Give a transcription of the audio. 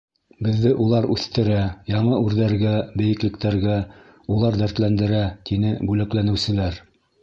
Беҙҙе улар үҫтерә, яңы үрҙәргә, бейеклектәргә улар дәртләндерә, — тине бүләкләнеүселәр.